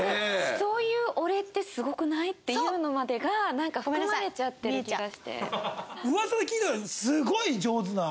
そういう俺ってすごくない？っていうのまでがなんか含まれちゃってる気がして。